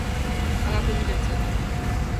科学技術